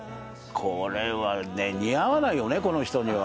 これはね、似合わないよね、この人には。